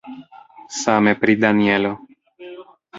Same pri Danjelo.